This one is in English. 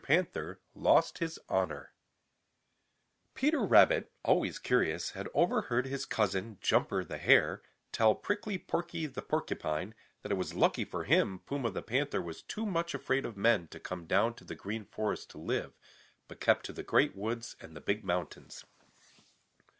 PANTHER LOST HIS HONOR |PETER RABBIT, always curious, had overheard his cousin, Jumper the Hare, tell Prickly Porky the Porcupine that it was lucky for him Puma the Panther was too much afraid of men to come down to the Green Forest to live, but kept to the Great Woods and the Big Mountains.